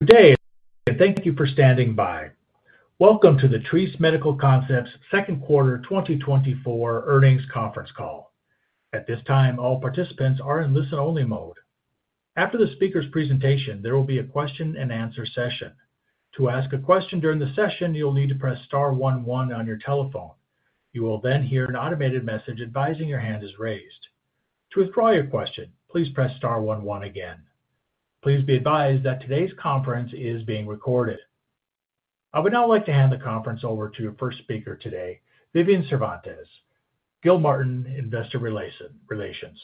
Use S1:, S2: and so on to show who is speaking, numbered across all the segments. S1: Good day, and thank you for standing by. Welcome to the Treace Medical Concepts second quarter 2024 earnings conference call. At this time, all participants are in listen-only mode. After the speaker's presentation, there will be a question-and-answer session. To ask a question during the session, you'll need to press star one one on your telephone. You will then hear an automated message advising your hand is raised. To withdraw your question, please press star one one again. Please be advised that today's conference is being recorded. I would now like to hand the conference over to your first speaker today, Vivian Cervantes, Gilmartin Investor Relations.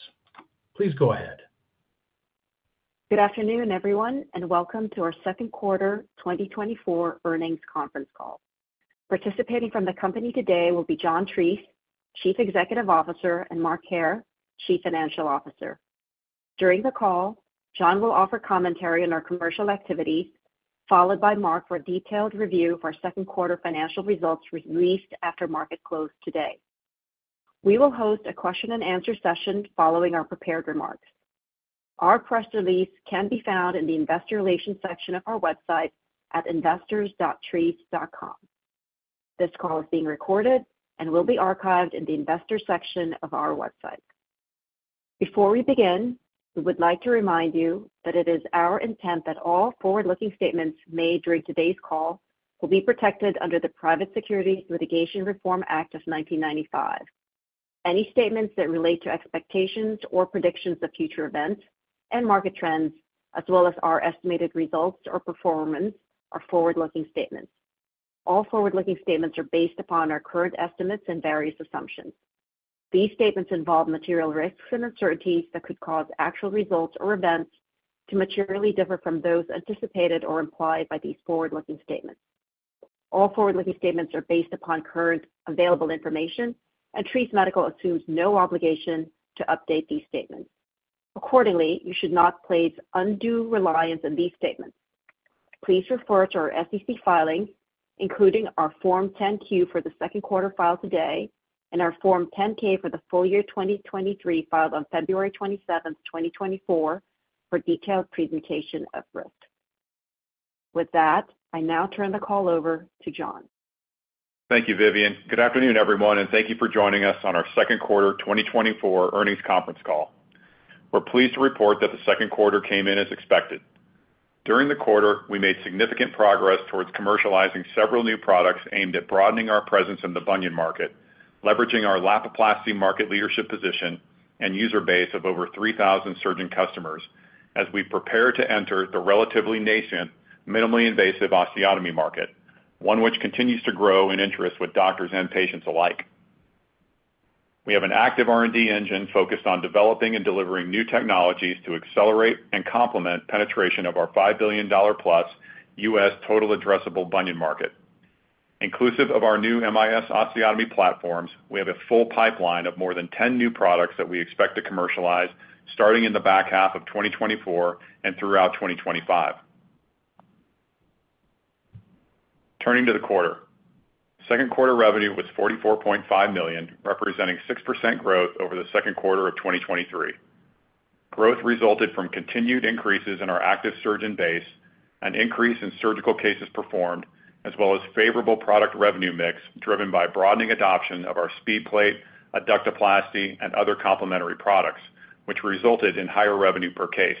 S1: Please go ahead.
S2: Good afternoon, everyone, and welcome to our second quarter 2024 earnings conference call. Participating from the company today will be John Treace, Chief Executive Officer, and Mark Hair, Chief Financial Officer. During the call, John will offer commentary on our commercial activity, followed by Mark for a detailed review of our second quarter financial results released after market close today. We will host a question-and-answer session following our prepared remarks. Our press release can be found in the investor relations section of our website at investors.treace.com. This call is being recorded and will be archived in the investors section of our website. Before we begin, we would like to remind you that it is our intent that all forward-looking statements made during today's call will be protected under the Private Securities Litigation Reform Act of 1995. Any statements that relate to expectations or predictions of future events and market trends, as well as our estimated results or performance, are forward-looking statements. All forward-looking statements are based upon our current estimates and various assumptions. These statements involve material risks and uncertainties that could cause actual results or events to materially differ from those anticipated or implied by these forward-looking statements. All forward-looking statements are based upon current available information, and Treace Medical assumes no obligation to update these statements. Accordingly, you should not place undue reliance on these statements. Please refer to our SEC filings, including our Form 10-Q for the second quarter filed today, and our Form 10-K for the full year 2023, filed on February 27th, 2024, for detailed presentation of risks. With that, I now turn the call over to John.
S3: Thank you, Vivian. Good afternoon, everyone, and thank you for joining us on our second quarter 2024 earnings conference call. We're pleased to report that the second quarter came in as expected. During the quarter, we made significant progress towards commercializing several new products aimed at broadening our presence in the bunion market, leveraging our Lapiplasty market leadership position and user base of over 3,000 surgeon customers as we prepare to enter the relatively nascent, minimally invasive osteotomy market, one which continues to grow in interest with doctors and patients alike. We have an active R&D engine focused on developing and delivering new technologies to accelerate and complement penetration of our $5 billion-plus U.S. total addressable bunion market. Inclusive of our new MIS osteotomy platforms, we have a full pipeline of more than 10 new products that we expect to commercialize starting in the back half of 2024 and throughout 2025. Turning to the quarter. Second quarter revenue was $44.5 million, representing 6% growth over the second quarter of 2023. Growth resulted from continued increases in our active surgeon base, an increase in surgical cases performed, as well as favorable product revenue mix, driven by broadening adoption of our SpeedPlate, Adductoplasty, and other complementary products, which resulted in higher revenue per case.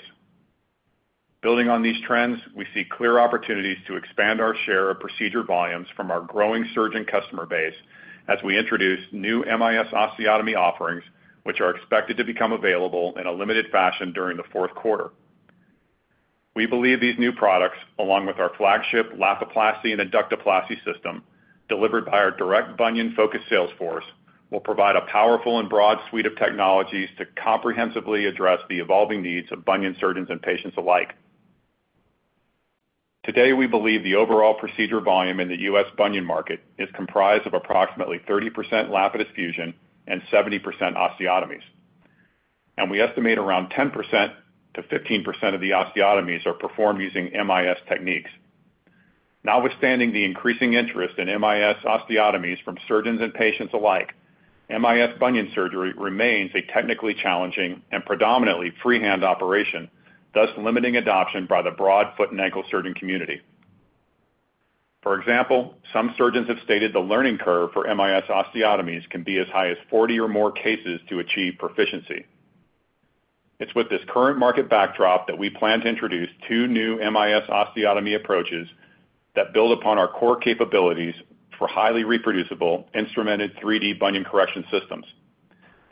S3: Building on these trends, we see clear opportunities to expand our share of procedure volumes from our growing surgeon customer base as we introduce new MIS osteotomy offerings, which are expected to become available in a limited fashion during the fourth quarter. We believe these new products, along with our flagship Lapiplasty and Adductoplasty system, delivered by our direct bunion-focused sales force, will provide a powerful and broad suite of technologies to comprehensively address the evolving needs of bunion surgeons and patients alike. Today, we believe the overall procedure volume in the U.S. bunion market is comprised of approximately 30% Lapidus fusion and 70% osteotomies, and we estimate around 10%-15% of the osteotomies are performed using MIS techniques. Notwithstanding the increasing interest in MIS osteotomies from surgeons and patients alike, MIS bunion surgery remains a technically challenging and predominantly freehand operation, thus limiting adoption by the broad foot and ankle surgeon community. For example, some surgeons have stated the learning curve for MIS osteotomies can be as high as 40 or more cases to achieve proficiency. It's with this current market backdrop that we plan to introduce two new MIS osteotomy approaches that build upon our core capabilities for highly reproducible, instrumented 3D bunion correction systems.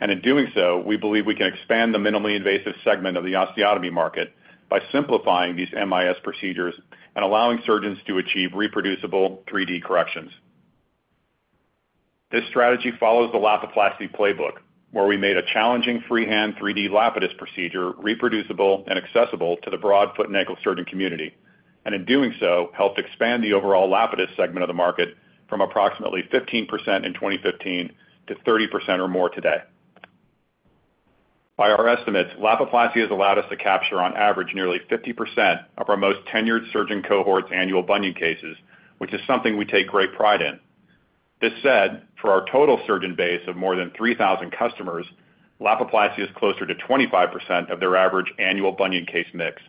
S3: And in doing so, we believe we can expand the minimally invasive segment of the osteotomy market by simplifying these MIS procedures and allowing surgeons to achieve reproducible 3D corrections. This strategy follows the Lapiplasty playbook, where we made a challenging freehand 3D Lapidus procedure reproducible and accessible to the broad foot and ankle surgeon community, and in doing so, helped expand the overall Lapidus segment of the market from approximately 15% in 2015 to 30% or more today. By our estimates, Lapiplasty has allowed us to capture, on average, nearly 50% of our most tenured surgeon cohorts' annual bunion cases, which is something we take great pride in. That said, for our total surgeon base of more than 3,000 customers, Lapiplasty is closer to 25% of their average annual bunion case mix.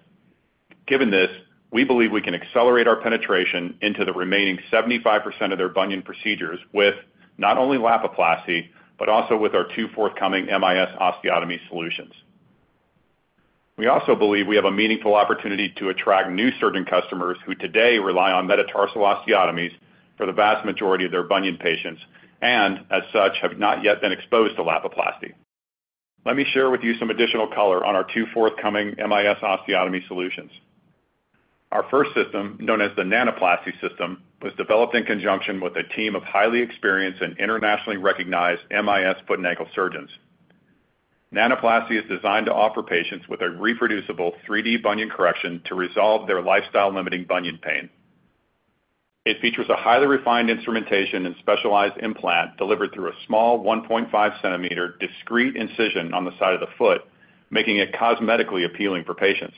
S3: Given this, we believe we can accelerate our penetration into the remaining 75% of their bunion procedures with not only Lapiplasty, but also with our two forthcoming MIS osteotomy solutions. We also believe we have a meaningful opportunity to attract new surgeon customers who today rely on metatarsal osteotomies for the vast majority of their bunion patients, and as such, have not yet been exposed to Lapiplasty. Let me share with you some additional color on our two forthcoming MIS osteotomy solutions. Our first system, known as the Nanoplasty System, was developed in conjunction with a team of highly experienced and internationally recognized MIS foot and ankle surgeons. Nanoplasty is designed to offer patients with a reproducible 3D bunion correction to resolve their lifestyle-limiting bunion pain. It features a highly refined instrumentation and specialized implant delivered through a small 1.5 cm discrete incision on the side of the foot, making it cosmetically appealing for patients.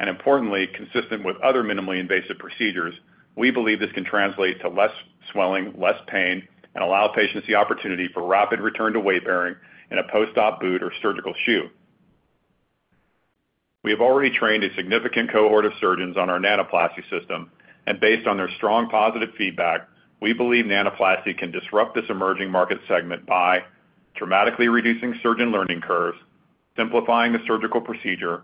S3: Importantly, consistent with other minimally invasive procedures, we believe this can translate to less swelling, less pain, and allow patients the opportunity for rapid return to weight bearing in a post-op boot or surgical shoe. We have already trained a significant cohort of surgeons on our Nanoplasty system, and based on their strong positive feedback, we believe Nanoplasty can disrupt this emerging market segment by dramatically reducing surgeon learning curves, simplifying the surgical procedure,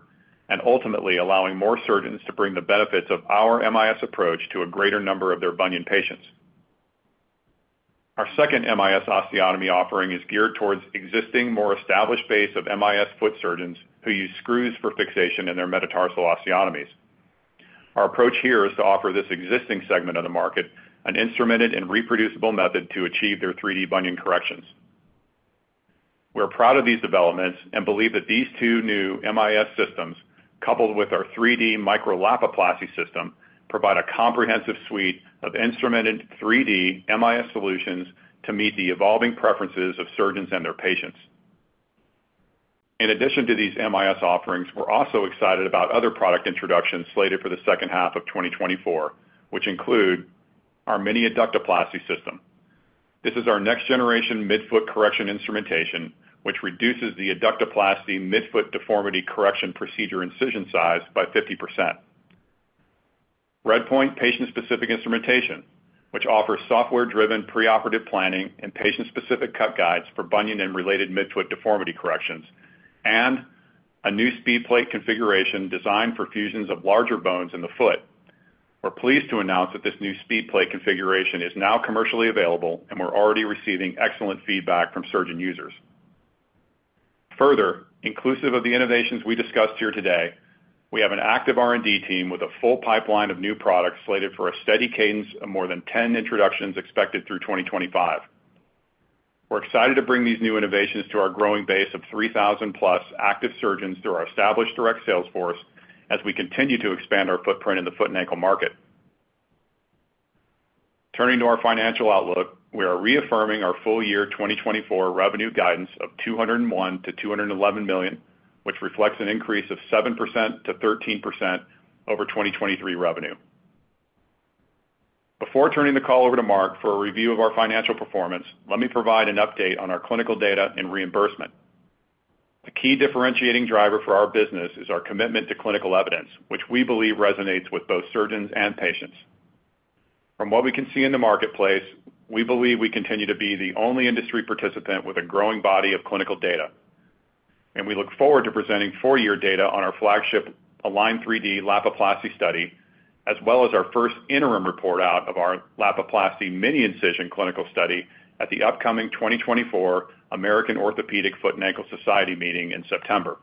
S3: and ultimately allowing more surgeons to bring the benefits of our MIS approach to a greater number of their bunion patients. Our second MIS osteotomy offering is geared towards existing, more established base of MIS foot surgeons who use screws for fixation in their metatarsal osteotomies. Our approach here is to offer this existing segment of the market an instrumented and reproducible method to achieve their 3D bunion corrections. We're proud of these developments and believe that these two new MIS systems, coupled with our 3D Micro-Lapiplasty system, provide a comprehensive suite of instrumented 3D MIS solutions to meet the evolving preferences of surgeons and their patients. In addition to these MIS offerings, we're also excited about other product introductions slated for the second half of 2024, which include our Mini-Adductoplasty system. This is our next generation midfoot correction instrumentation, which reduces the Adductoplasty midfoot deformity correction procedure incision size by 50%. RedPoint patient-specific instrumentation, which offers software-driven preoperative planning and patient-specific cut guides for bunion and related midfoot deformity corrections, and a new SpeedPlate configuration designed for fusions of larger bones in the foot. We're pleased to announce that this new SpeedPlate configuration is now commercially available, and we're already receiving excellent feedback from surgeon users. Further, inclusive of the innovations we discussed here today, we have an active R&D team with a full pipeline of new products slated for a steady cadence of more than 10 introductions expected through 2025. We're excited to bring these new innovations to our growing base of 3,000+ active surgeons through our established direct sales force as we continue to expand our footprint in the foot and ankle market. Turning to our financial outlook, we are reaffirming our full year 2024 revenue guidance of $201 million-$211 million, which reflects an increase of 7%-13% over 2023 revenue. Before turning the call over to Mark for a review of our financial performance, let me provide an update on our clinical data and reimbursement. The key differentiating driver for our business is our commitment to clinical evidence, which we believe resonates with both surgeons and patients. From what we can see in the marketplace, we believe we continue to be the only industry participant with a growing body of clinical data, and we look forward to presenting four-year data on our flagship ALIGN3D Lapiplasty study, as well as our first interim report out of our Lapiplasty mini incision clinical study at the upcoming 2024 American Orthopaedic Foot & Ankle Society meeting in September.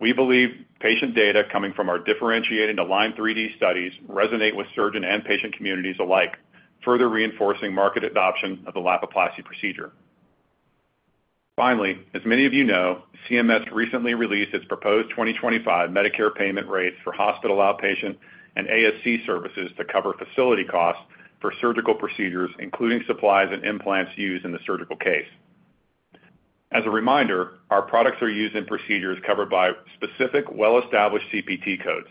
S3: We believe patient data coming from our differentiated ALIGN3D studies resonate with surgeon and patient communities alike, further reinforcing market adoption of the Lapiplasty procedure. Finally, as many of you know, CMS recently released its proposed 2025 Medicare payment rates for hospital outpatient and ASC services to cover facility costs for surgical procedures, including supplies and implants used in the surgical case. As a reminder, our products are used in procedures covered by specific, well-established CPT codes,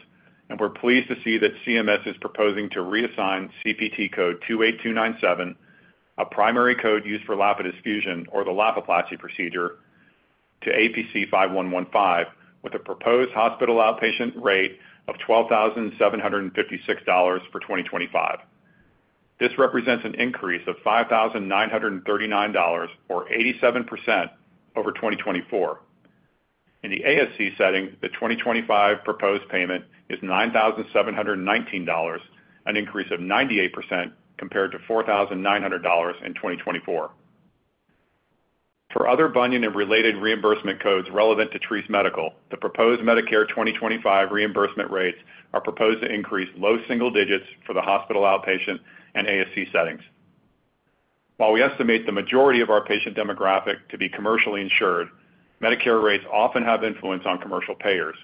S3: and we're pleased to see that CMS is proposing to reassign CPT code 28297, a primary code used for Lapidus fusion or the Lapiplasty procedure, to APC 5115, with a proposed hospital outpatient rate of $12,756 for 2025. This represents an increase of $5,939, or 87%, over 2024. In the ASC setting, the 2025 proposed payment is $9,719, an increase of 98% compared to $4,900 in 2024. For other bunion and related reimbursement codes relevant to Treace Medical, the proposed Medicare 2025 reimbursement rates are proposed to increase low single digits for the hospital, outpatient, and ASC settings. While we estimate the majority of our patient demographic to be commercially insured, Medicare rates often have influence on commercial payers.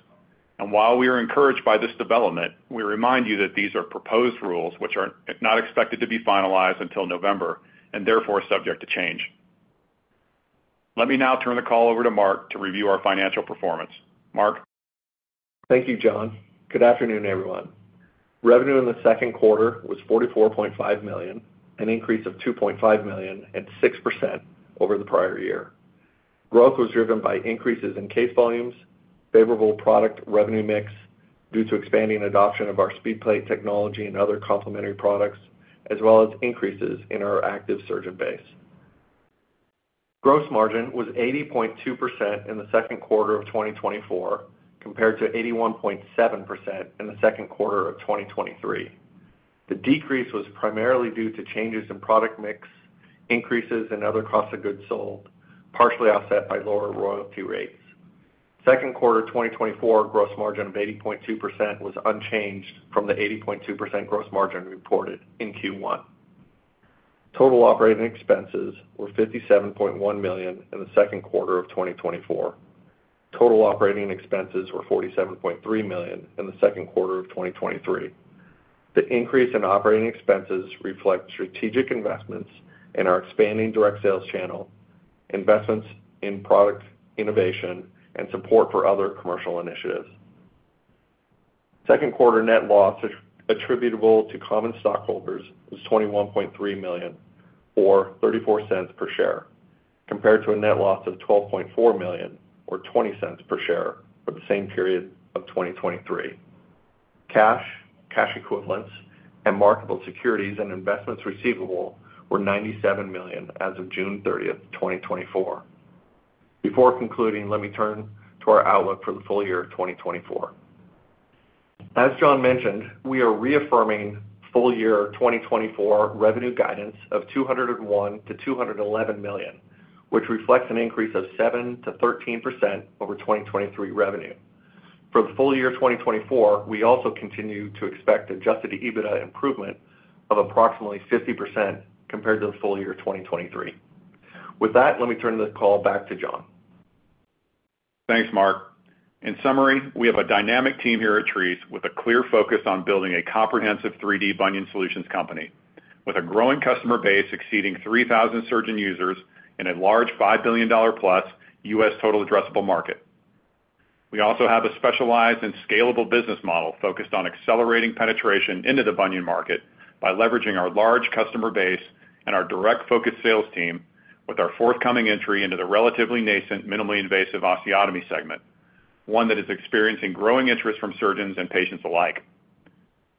S3: And while we are encouraged by this development, we remind you that these are proposed rules which are not expected to be finalized until November and therefore subject to change.... Let me now turn the call over to Mark to review our financial performance. Mark?
S4: Thank you, John. Good afternoon, everyone. Revenue in the second quarter was $44.5 million, an increase of $2.5 million and 6% over the prior year. Growth was driven by increases in case volumes, favorable product revenue mix due to expanding adoption of our SpeedPlate technology and other complementary products, as well as increases in our active surgeon base. Gross margin was 80.2% in the second quarter of 2024, compared to 81.7% in the second quarter of 2023. The decrease was primarily due to changes in product mix, increases in other costs of goods sold, partially offset by lower royalty rates. Second quarter 2024 gross margin of 80.2% was unchanged from the 80.2% gross margin reported in Q1. Total operating expenses were $57.1 million in the second quarter of 2024. Total operating expenses were $47.3 million in the second quarter of 2023. The increase in operating expenses reflect strategic investments in our expanding direct sales channel, investments in product innovation, and support for other commercial initiatives. Second quarter net loss attributable to common stockholders was $21.3 million, or $0.34 per share, compared to a net loss of $12.4 million, or $0.20 per share, for the same period of 2023. Cash, cash equivalents, and marketable securities and investments receivable were $97 million as of June 30, 2024. Before concluding, let me turn to our outlook for the full year of 2024. As John mentioned, we are reaffirming full year 2024 revenue guidance of $201 million-$211 million, which reflects an increase of 7%-13% over 2023 revenue. For the full year of 2024, we also continue to expect adjusted EBITDA improvement of approximately 50% compared to the full year of 2023. With that, let me turn this call back to John.
S3: Thanks, Mark. In summary, we have a dynamic team here at Treace with a clear focus on building a comprehensive 3D bunion solutions company, with a growing customer base exceeding 3,000 surgeon users and a large $5 billion-plus US total addressable market. We also have a specialized and scalable business model focused on accelerating penetration into the bunion market by leveraging our large customer base and our direct focus sales team with our forthcoming entry into the relatively nascent, minimally invasive osteotomy segment, one that is experiencing growing interest from surgeons and patients alike.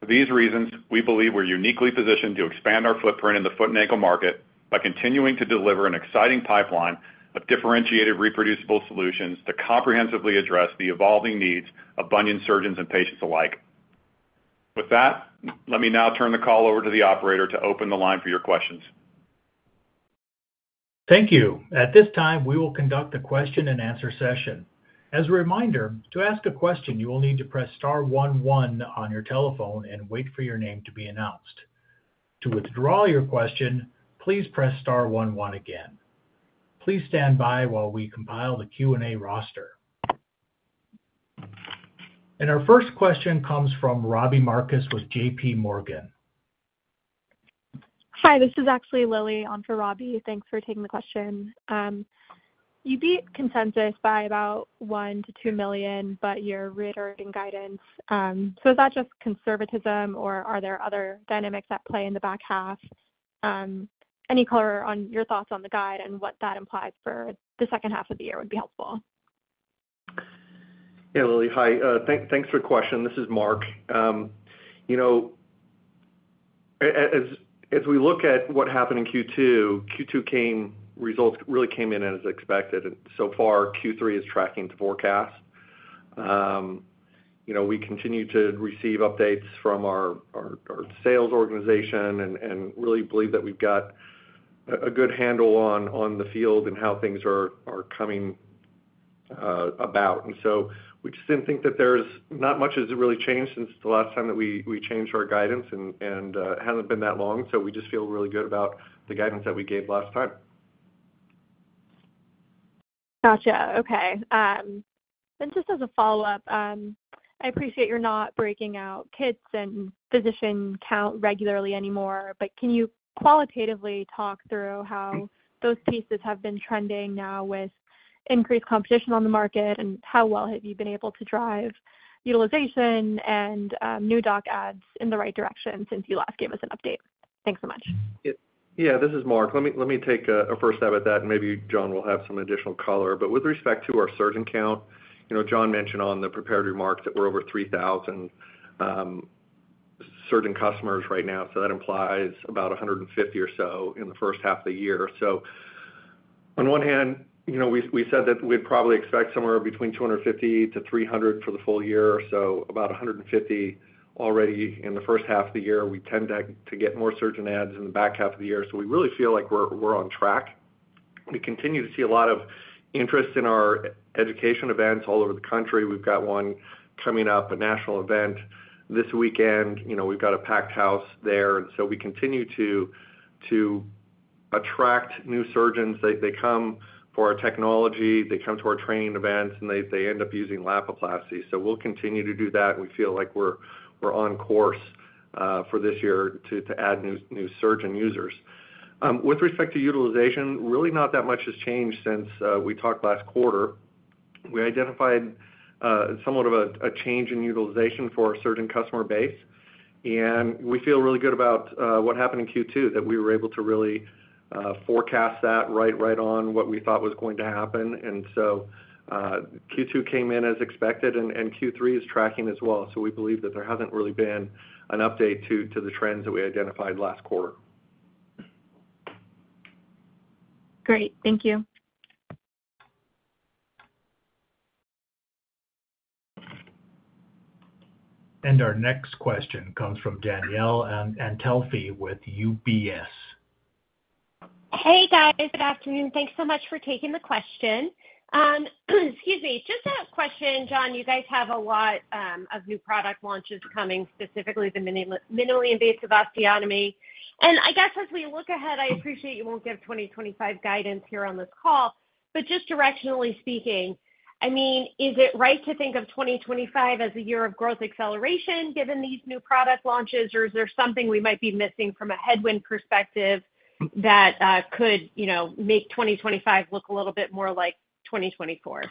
S3: For these reasons, we believe we're uniquely positioned to expand our footprint in the foot and ankle market by continuing to deliver an exciting pipeline of differentiated, reproducible solutions to comprehensively address the evolving needs of bunion surgeons and patients alike. With that, let me now turn the call over to the operator to open the line for your questions.
S1: Thank you. At this time, we will conduct a question and answer session. As a reminder, to ask a question, you will need to press star one, one on your telephone and wait for your name to be announced. To withdraw your question, please press star one, one again. Please stand by while we compile the Q&A roster. Our first question comes from Robbie Marcus with J.P. Morgan.
S5: Hi, this is actually Lili on for Robbie. Thanks for taking the question. You beat consensus by about $1 million-$2 million, but you're reiterating guidance. So is that just conservatism, or are there other dynamics at play in the back half? Any color on your thoughts on the guide and what that implies for the second half of the year would be helpful.
S4: Yeah, Lili. Hi, thanks for the question. This is Mark. You know, as we look at what happened in Q2, Q2 results really came in as expected, and so far, Q3 is tracking to forecast. You know, we continue to receive updates from our sales organization and really believe that we've got a good handle on the field and how things are coming about. And so we just didn't think that not much has really changed since the last time that we changed our guidance, and it hasn't been that long, so we just feel really good about the guidance that we gave last time.
S5: Gotcha. Okay. And just as a follow-up, I appreciate you're not breaking out kits and physician count regularly anymore, but can you qualitatively talk through how those pieces have been trending now with increased competition on the market, and how well have you been able to drive utilization and, new doc adds in the right direction since you last gave us an update? Thanks so much.
S4: Yeah, this is Mark. Let me take a first stab at that, and maybe John will have some additional color. But with respect to our surgeon count, you know, John mentioned on the prepared remarks that we're over 3,000 surgeon customers right now, so that implies about 150 or so in the first half of the year. So on one hand, you know, we said that we'd probably expect somewhere between 250-300 for the full year, so about 150 already in the first half of the year. We tend to get more surgeon adds in the back half of the year, so we really feel like we're on track. We continue to see a lot of interest in our education events all over the country. We've got one coming up, a national event this weekend. You know, we've got a packed house there. And so we continue to attract new surgeons. They come for our technology, they come to our training events, and they end up using Lapiplasty. So we'll continue to do that, and we feel like we're on course for this year to add new surgeon users. With respect to utilization, really not that much has changed since we talked last quarter. We identified somewhat of a change in utilization for a certain customer base, and we feel really good about what happened in Q2, that we were able to really forecast that right on what we thought was going to happen. And so Q2 came in as expected, and Q3 is tracking as well. So we believe that there hasn't really been an update to the trends that we identified last quarter.
S5: Great. Thank you.
S1: Our next question comes from Danielle Antalffy with UBS.
S5: Hey, guys. Good afternoon. Thanks so much for taking the question. Excuse me. Just a question, John. You guys have a lot of new product launches coming, specifically the minimally invasive osteotomy. And I guess, as we look ahead, I appreciate you won't give 2025 guidance here on this call, but just directionally speaking, I mean, is it right to think of 2025 as a year of growth acceleration, given these new product launches? Or is there something we might be missing from a headwind perspective that could, you know, make 2025 look a little bit more like 2024?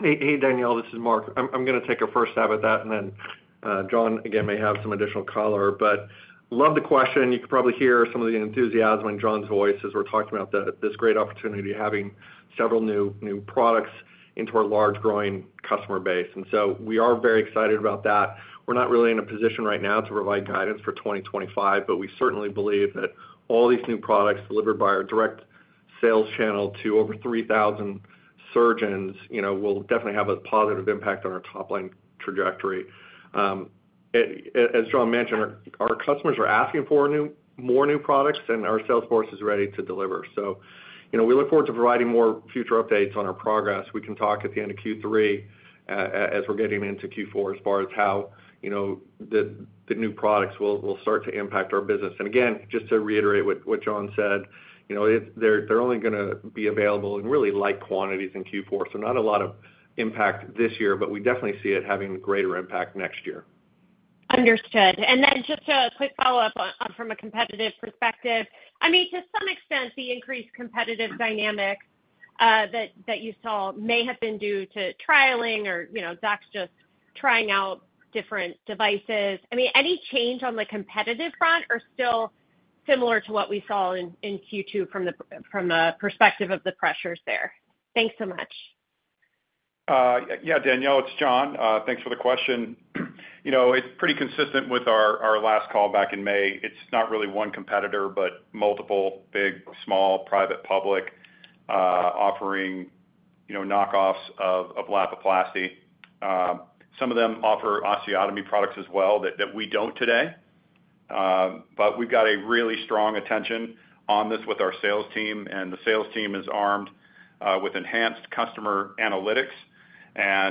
S4: Hey, Danielle, this is Mark. I'm gonna take a first stab at that, and then John may have some additional color. But love the question. You can probably hear some of the enthusiasm in John's voice as we're talking about this great opportunity, having several new products into our large, growing customer base. And so we are very excited about that. We're not really in a position right now to provide guidance for 2025, but we certainly believe that all these new products delivered by our direct sales channel to over 3,000 surgeons, you know, will definitely have a positive impact on our top-line trajectory. As John mentioned, our customers are asking for more new products, and our sales force is ready to deliver. So, you know, we look forward to providing more future updates on our progress. We can talk at the end of Q3, as we're getting into Q4, as far as how, you know, the new products will start to impact our business. And again, just to reiterate what John said, you know, they're only gonna be available in really light quantities in Q4, so not a lot of impact this year, but we definitely see it having greater impact next year.
S5: Understood. And then just a quick follow-up on, from a competitive perspective. I mean, to some extent, the increased competitive dynamic that you saw may have been due to trialing or, you know, docs just trying out different devices. I mean, any change on the competitive front or still similar to what we saw in Q2 from the perspective of the pressures there? Thanks so much.
S4: Yeah, Danielle, it's John. Thanks for the question. You know, it's pretty consistent with our last call back in May. It's not really one competitor, but multiple, big, small, private, public, offering, you know, knockoffs of Lapiplasty. Some of them offer osteotomy products as well that we don't today. But we've got a really strong attention on this with our sales team, and the sales team is armed with enhanced customer analytics.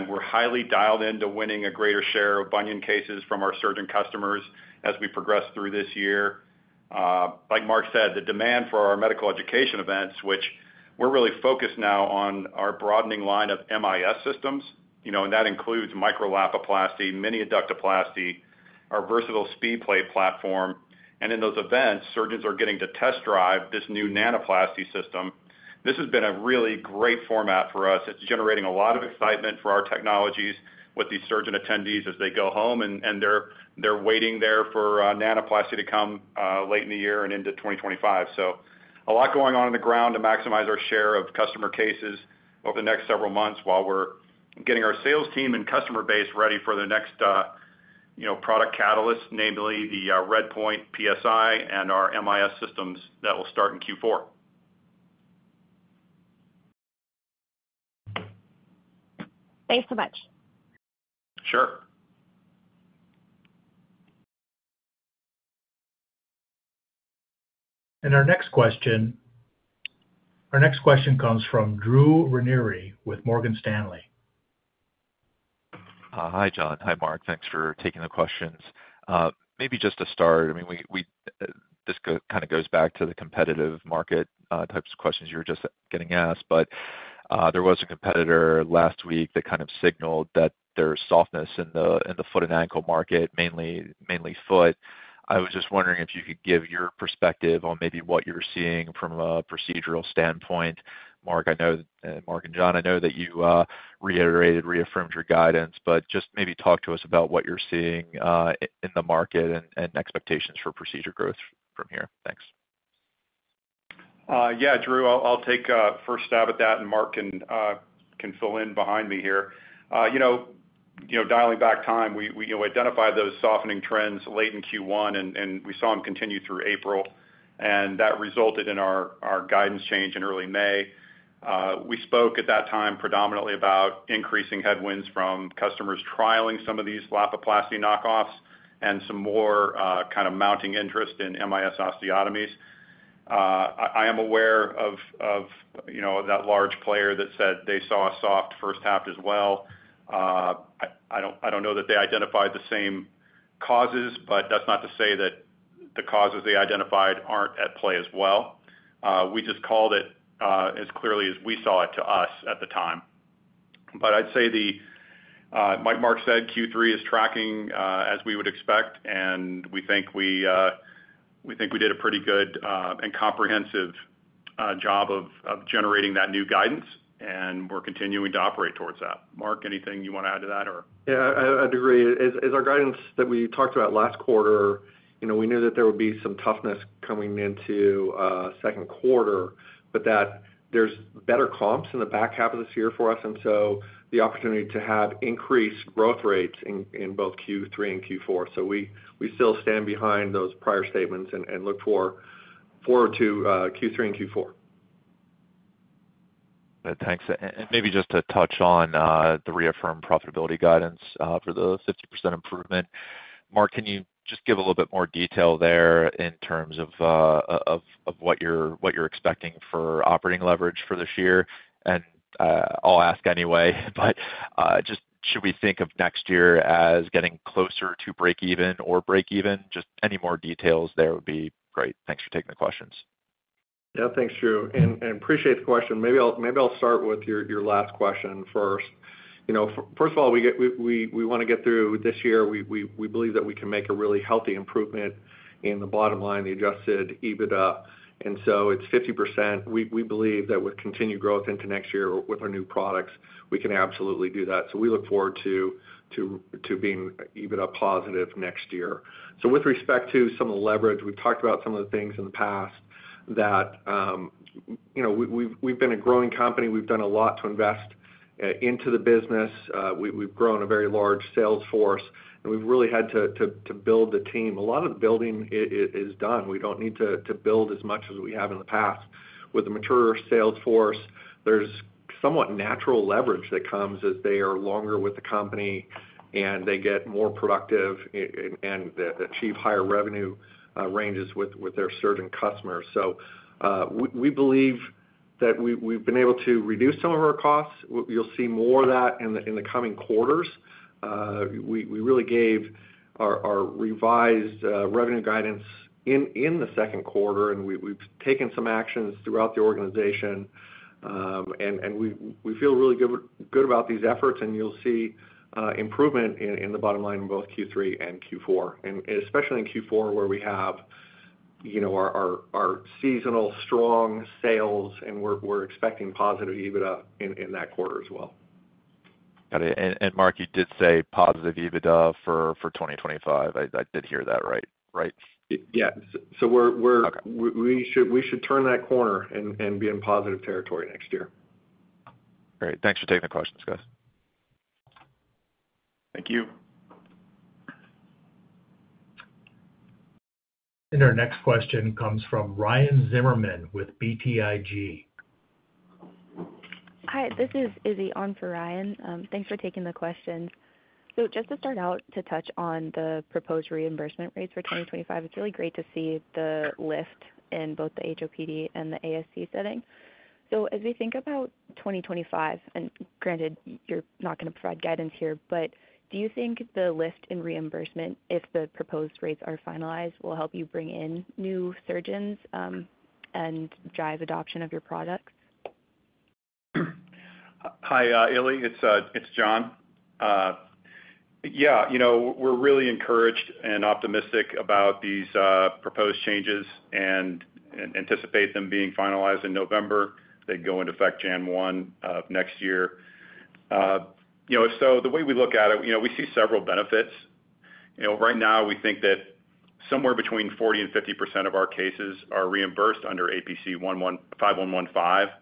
S4: We're highly dialed in to winning a greater share of bunion cases from our surgeon customers as we progress through this year. Like Mark said, the demand for our medical education events, which we're really focused now on our broadening line of MIS systems, you know, and that includes Micro-Lapiplasty, Mini-Adductoplasty, our versatile SpeedPlate platform. In those events, surgeons are getting to test drive this new Nanoplasty system. This has been a really great format for us. It's generating a lot of excitement for our technologies with these surgeon attendees as they go home, and they're waiting there for Nanoplasty to come late in the year and into 2025. So a lot going on on the ground to maximize our share of customer cases over the next several months, while we're getting our sales team and customer base ready for the next, you know, product catalyst, namely the RedPoint PSI and our MIS systems that will start in Q4.
S5: Thanks so much.
S4: Sure.
S1: Our next question comes from Drew Ranieri with Morgan Stanley.
S5: Hi, John. Hi, Mark. Thanks for taking the questions. Maybe just to start, I mean, we, this kind of goes back to the competitive market, types of questions you were just getting asked. But, there was a competitor last week that kind of signaled that there's softness in the foot and ankle market, mainly foot. I was just wondering if you could give your perspective on maybe what you're seeing from a procedural standpoint. Mark, I know that, Mark and John, I know that you, reiterated, reaffirmed your guidance, but just maybe talk to us about what you're seeing in the market and expectations for procedure growth from here. Thanks.
S6: Yeah, Drew, I'll take a first stab at that, and Mark can fill in behind me here. You know, dialing back time, we identified those softening trends late in Q1, and we saw them continue through April, and that resulted in our guidance change in early May. We spoke at that time predominantly about increasing headwinds from customers trialing some of these Lapiplasty knockoffs and some more kind of mounting interest in MIS osteotomies. I am aware of, you know, that large player that said they saw a soft first half as well. I don't know that they identified the same causes, but that's not to say that the causes they identified aren't at play as well. We just called it as clearly as we saw it to us at the time....
S3: But I'd say the, like Mark said, Q3 is tracking as we would expect, and we think we did a pretty good and comprehensive job of generating that new guidance, and we're continuing to operate towards that. Mark, anything you wanna add to that or?
S4: Yeah, I'd agree. As our guidance that we talked about last quarter, you know, we knew that there would be some toughness coming into second quarter, but that there's better comps in the back half of this year for us, and so the opportunity to have increased growth rates in both Q3 and Q4. So we still stand behind those prior statements and look forward to Q3 and Q4.
S5: Thanks. And maybe just to touch on the reaffirmed profitability guidance for the 50% improvement. Mark, can you just give a little bit more detail there in terms of what you're expecting for operating leverage for this year? And I'll ask anyway, but just should we think of next year as getting closer to breakeven or breakeven? Just any more details there would be great. Thanks for taking the questions.
S4: Yeah. Thanks, Drew, and appreciate the question. Maybe I'll start with your last question first. You know, first of all, we wanna get through this year. We believe that we can make a really healthy improvement in the bottom line, the adjusted EBITDA, and so it's 50%. We believe that with continued growth into next year with our new products, we can absolutely do that. So we look forward to being EBITDA positive next year. So with respect to some of the leverage, we've talked about some of the things in the past that, you know, we've been a growing company. We've done a lot to invest into the business. We've grown a very large sales force, and we've really had to build the team. A lot of the building is done. We don't need to build as much as we have in the past. With a maturer sales force, there's somewhat natural leverage that comes as they are longer with the company, and they get more productive and achieve higher revenue ranges with their surgeon customers. So, we believe that we've been able to reduce some of our costs. You'll see more of that in the coming quarters. We really gave our revised revenue guidance in the second quarter, and we've taken some actions throughout the organization. And we feel really good about these efforts, and you'll see improvement in the bottom line in both Q3 and Q4. And especially in Q4, where we have, you know, our seasonal strong sales, and we're expecting positive EBITDA in that quarter as well.
S5: Got it. And Mark, you did say positive EBITDA for 2025. I did hear that right?
S4: Yeah. So we're...
S5: Okay.
S4: We should turn that corner and be in positive territory next year.
S5: Great. Thanks for taking the questions, guys.
S3: Thank you.
S1: Our next question comes from Ryan Zimmerman with BTIG.
S5: Hi, this is Izzy on for Ryan. Thanks for taking the questions. So just to start out, to touch on the proposed reimbursement rates for 2025, it's really great to see the lift in both the HOPD and the ASC setting. So as we think about 2025, and granted, you're not gonna provide guidance here, but do you think the lift in reimbursement, if the proposed rates are finalized, will help you bring in new surgeons, and drive adoption of your products?
S3: Hi, Izzy, it's John. Yeah, you know, we're really encouraged and optimistic about these proposed changes and anticipate them being finalized in November. They go into effect January 1 of next year. You know, so the way we look at it, you know, we see several benefits. You know, right now, we think that somewhere between 40%-50% of our cases are reimbursed under APC 5115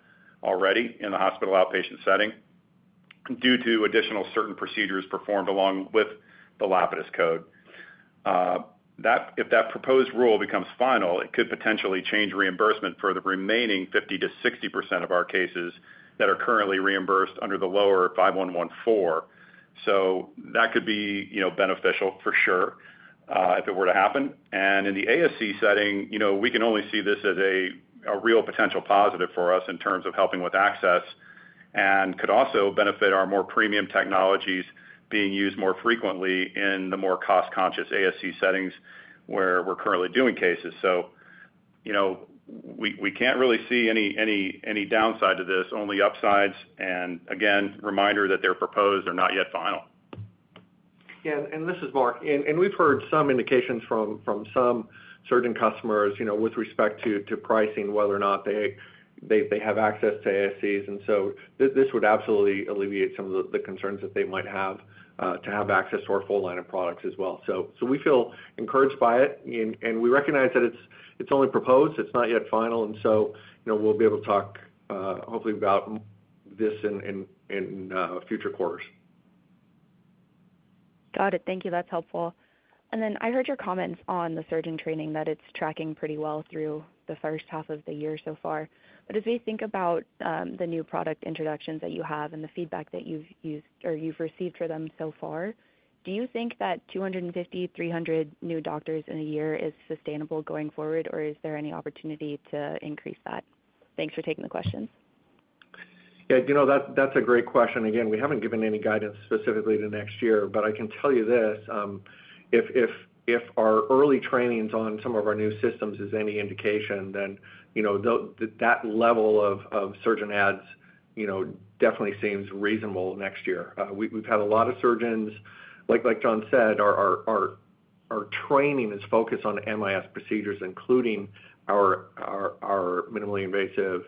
S3: already in the hospital outpatient setting, due to additional certain procedures performed along with the Lapidus code. That if that proposed rule becomes final, it could potentially change reimbursement for the remaining 50%-60% of our cases that are currently reimbursed under the lower 5114. So that could be, you know, beneficial for sure, if it were to happen. In the ASC setting, you know, we can only see this as a real potential positive for us in terms of helping with access, and could also benefit our more premium technologies being used more frequently in the more cost-conscious ASC settings, where we're currently doing cases. So, you know, we can't really see any downside to this, only upsides, and again, reminder that they're proposed and not yet final.
S4: Yeah, and this is Mark. And we've heard some indications from some surgeon customers, you know, with respect to pricing, whether or not they have access to ASCs, and so this would absolutely alleviate some of the concerns that they might have to have access to our full line of products as well. So we feel encouraged by it, and we recognize that it's only proposed, it's not yet final, and so, you know, we'll be able to talk hopefully about this in future quarters.
S5: Got it. Thank you. That's helpful. And then I heard your comments on the surgeon training, that it's tracking pretty well through the first half of the year so far. But as we think about, the new product introductions that you have and the feedback that you've used or you've received for them so far, do you think that 250-300 new doctors in a year is sustainable going forward, or is there any opportunity to increase that? Thanks for taking the questions.
S4: Yeah, you know, that's a great question. Again, we haven't given any guidance specifically to next year, but I can tell you this, if our early trainings on some of our new systems is any indication, then, you know, that level of surgeon adds, you know, definitely seems reasonable next year. We've had a lot of surgeons, like John said, our training is focused on MIS procedures, including our minimally invasive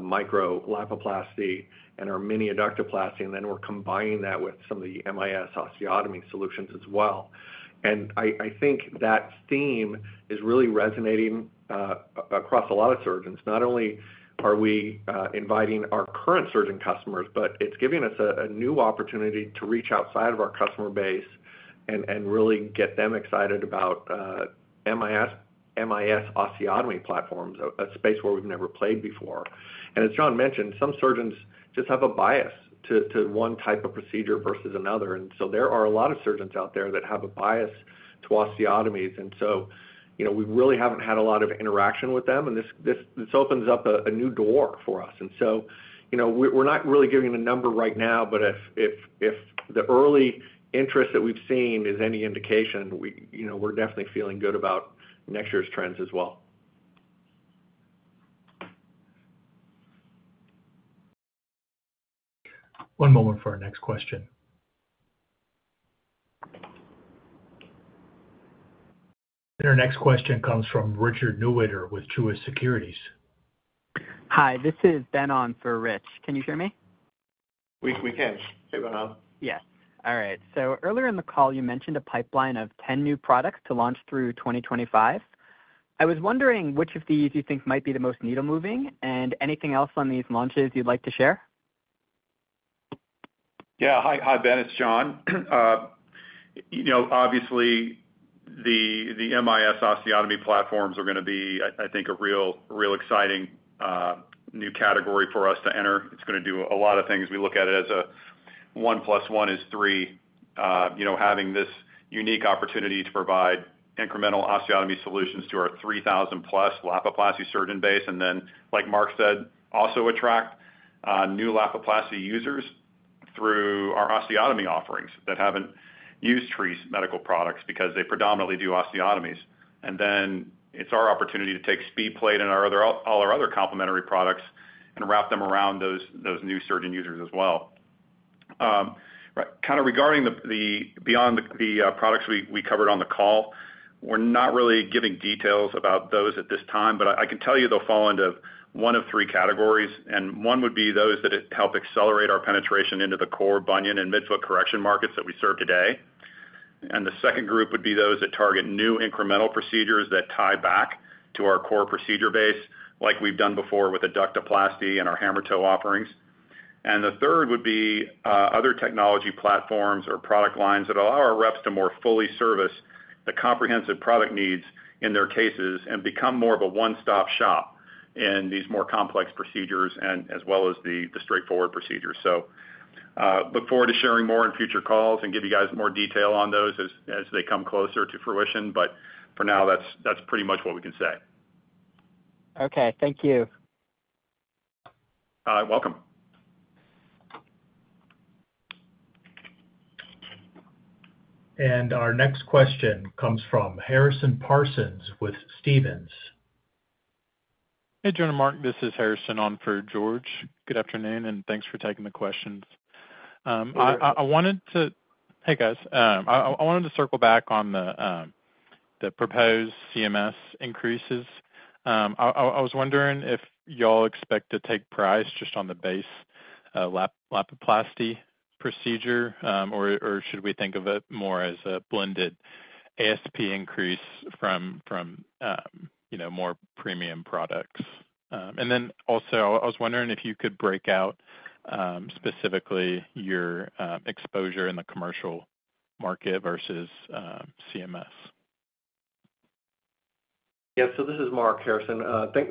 S4: Micro-Lapiplasty and our Mini-Adductoplasty, and then we're combining that with some of the MIS osteotomy solutions as well. I think that theme is really resonating across a lot of surgeons. Not only are we inviting our current surgeon customers, but it's giving us a new opportunity to reach outside of our customer base and really get them excited about MIS osteotomy platforms, a space where we've never played before. And as John mentioned, some surgeons just have a bias to one type of procedure versus another. And so there are a lot of surgeons out there that have a bias to osteotomies. And so, you know, we really haven't had a lot of interaction with them, and this opens up a new door for us. And so, you know, we're not really giving a number right now, but if the early interest that we've seen is any indication, you know, we're definitely feeling good about next year's trends as well.
S1: One moment for our next question. Our next question comes from Richard Newitter with Truist Securities.
S5: Hi, this is Ben on for Rich. Can you hear me?
S4: We can. Hey, Ben.
S5: Yes. All right. So earlier in the call, you mentioned a pipeline of 10 new products to launch through 2025. I was wondering which of these you think might be the most needle moving, and anything else on these launches you'd like to share?
S4: Yeah, hi, hi, Ben, it's John. You know, obviously, the MIS osteotomy platforms are gonna be, I think, a real, real exciting new category for us to enter. It's gonna do a lot of things. We look at it as a one plus one is three. You know, having this unique opportunity to provide incremental osteotomy solutions to our 3,000+ Lapiplasty surgeon base, and then, like Mark said, also attract new Lapiplasty users through our osteotomy offerings that haven't used Treace Medical products because they predominantly do osteotomies. And then it's our opportunity to take SpeedPlate and our other—all our other complementary products and wrap them around those new surgeon users as well. Kind of regarding the beyond the products we covered on the call, we're not really giving details about those at this time, but I can tell you they'll fall into one of three categories, and one would be those that help accelerate our penetration into the core bunion and midfoot correction markets that we serve today. And the second group would be those that target new incremental procedures that tie back to our core procedure base, like we've done before with adductoplasty and our hammer toe offerings. And the third would be other technology platforms or product lines that allow our reps to more fully service the comprehensive product needs in their cases and become more of a one-stop shop in these more complex procedures and as well as the straightforward procedures. So, look forward to sharing more in future calls and give you guys more detail on those as they come closer to fruition. But for now, that's pretty much what we can say.
S5: Okay. Thank you.
S4: Uh, welcome.
S1: Our next question comes from Harrison Parsons with Stephens.
S5: Hey, John and Mark, this is Harrison on for George. Good afternoon, and thanks for taking the questions.
S4: Hi.
S5: Hey, guys. I wanted to circle back on the proposed CMS increases. I was wondering if y'all expect to take price just on the base Lapiplasty procedure, or should we think of it more as a blended ASP increase from, you know, more premium products? And then also, I was wondering if you could break out specifically your exposure in the commercial market versus CMS.
S4: Yeah. So this is Mark, Harrison.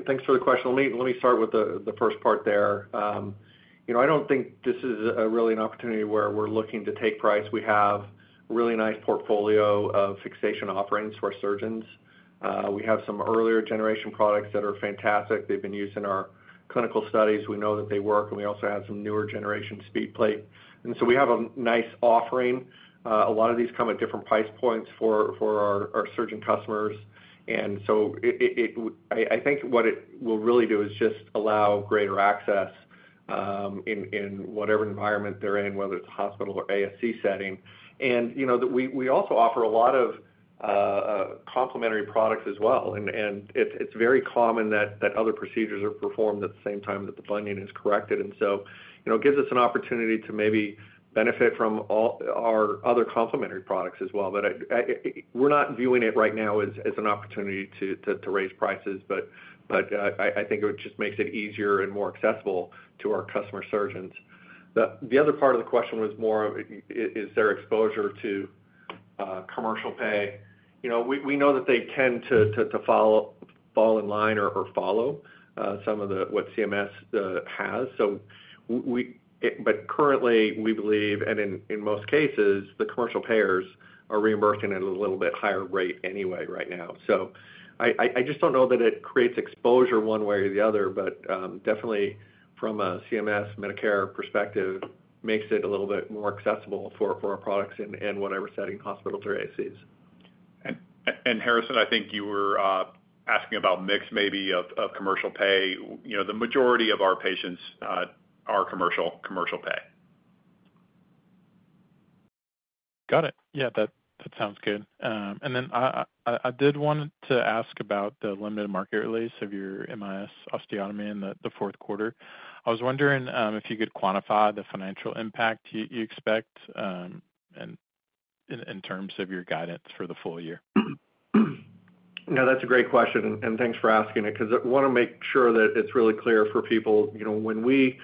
S4: Thanks for the question. Let me start with the first part there. You know, I don't think this is really an opportunity where we're looking to take price. We have a really nice portfolio of fixation offerings for our surgeons. We have some earlier generation products that are fantastic. They've been used in our clinical studies. We know that they work, and we also have some newer generation SpeedPlate. And so we have a nice offering. A lot of these come at different price points for our surgeon customers. And so it-- I think what it will really do is just allow greater access in whatever environment they're in, whether it's hospital or ASC setting. And, you know, that we also offer a lot of complementary products as well, and it's very common that other procedures are performed at the same time that the bunion is corrected. And so, you know, it gives us an opportunity to maybe benefit from all our other complementary products as well. But I... We're not viewing it right now as an opportunity to raise prices, but I think it just makes it easier and more accessible to our customer surgeons. The other part of the question was more, is their exposure to commercial pay. You know, we know that they tend to follow - fall in line or follow some of the what CMS has. So we... But currently, we believe, and in most cases, the commercial payers are reimbursing at a little bit higher rate anyway right now. So I just don't know that it creates exposure one way or the other, but definitely from a CMS Medicare perspective, makes it a little bit more accessible for our products in whatever setting, hospitals or ASCs.
S5: Harrison, I think you were asking about mix maybe of commercial pay. You know, the majority of our patients are commercial pay. Got it. Yeah, that sounds good. And then I did want to ask about the limited market release of your MIS osteotomy in the fourth quarter. I was wondering if you could quantify the financial impact you expect and in terms of your guidance for the full year?
S4: No, that's a great question, and thanks for asking it, because I wanna make sure that it's really clear for people. You know, when we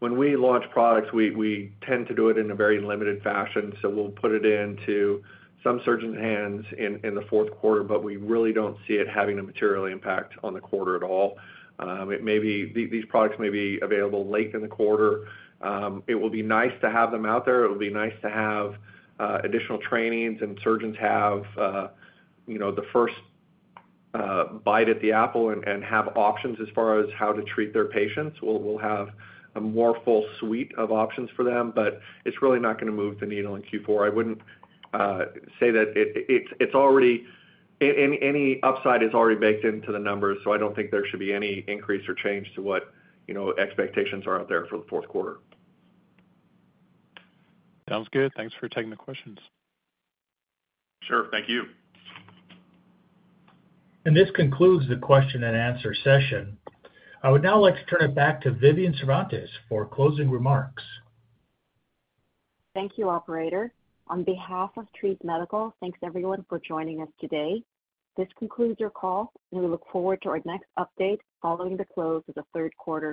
S4: launch products, we tend to do it in a very limited fashion, so we'll put it into some surgeon hands in the fourth quarter, but we really don't see it having a material impact on the quarter at all. It may be these products may be available late in the quarter. It will be nice to have them out there. It'll be nice to have additional trainings and surgeons have you know, the first bite at the apple and have options as far as how to treat their patients. We'll have a more full suite of options for them, but it's really not gonna move the needle in Q4. I wouldn't say that any upside is already baked into the numbers, so I don't think there should be any increase or change to what, you know, expectations are out there for the fourth quarter.
S5: Sounds good. Thanks for taking the questions.
S4: Sure. Thank you.
S1: This concludes the question and answer session. I would now like to turn it back to Vivian Cervantes for closing remarks.
S2: Thank you, operator. On behalf of Treace Medical Concepts, thanks everyone for joining us today. This concludes your call, and we look forward to our next update following the close of the third quarter.